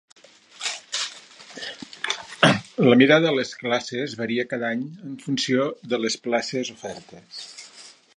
La mida de les classes varia cada any en funció de les places ofertes.